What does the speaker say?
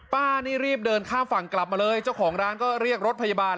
ป้านี่รีบเดินข้ามฝั่งกลับมาเลยเจ้าของร้านก็เรียกรถพยาบาล